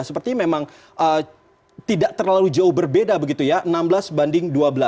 sepertinya memang tidak terlalu jauh berbeda begitu ya enam belas banding dua belas